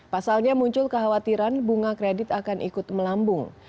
pasalnya muncul kekhawatiran bunga kredit akan ikut melambung